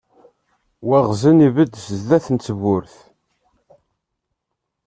Waɣzen ibedd sdat n tewwurt.